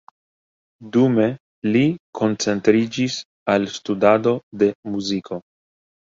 Dume, li koncentriĝis al studado de muziko.